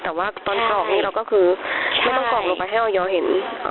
แต่ว่าตอนกรอกนี้เราก็คือไม่ต้องกรอกลงไปให้ออยเห็น